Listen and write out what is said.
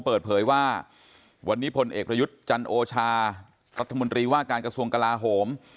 เปิดเผยว่าวันนี้พลเอกประยุทธ์จันโอชารัฐมนตรีว่าการกระทรวงกลาโหม